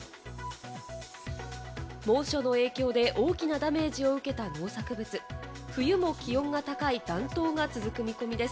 猛暑の影響で大きなダメージを受けた農作物、冬も気温が高い暖冬が続く見込みです。